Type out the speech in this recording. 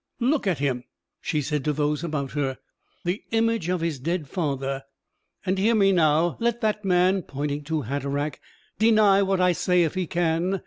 "Look at him," she said to those about her, "the image of his dead father. And hear me now let that man," pointing to Hatteraick, "deny what I say if he can."